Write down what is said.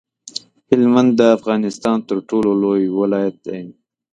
هلمند د افغانستان تر ټولو لوی ولایت دی.